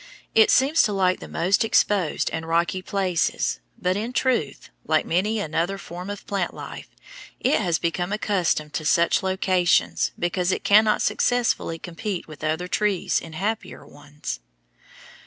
It seems to like the most exposed and rocky places, but in truth, like many another form of plant life, it has become accustomed to such locations because it cannot successfully compete with other trees in happier ones.